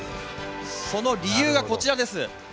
その理由がこちらです。